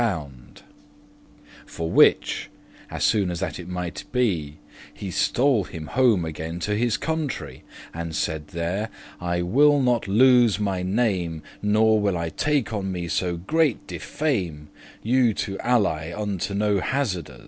* *found For which, as soon as that it mighte be, He stole him home again to his country And saide there, "I will not lose my name, Nor will I take on me so great diffame,* *reproach You to ally unto no hazardors.